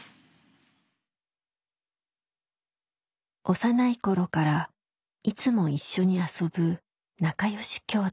幼い頃からいつも一緒に遊ぶ仲よし姉弟。